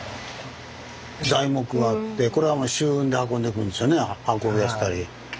材木があってこれは舟運で運んでくるんですよね運び出したり。